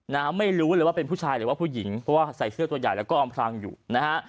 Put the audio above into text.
นะฮะไม่รู้เลยว่าเป็นผู้ชายหรือว่าผู้หญิงเพราะว่าใส่เสื้อตัวใหญ่แล้วก็อำพลังอยู่นะฮะ